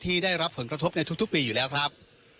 ได้รับผลกระทบในทุกปีอยู่แล้วครับ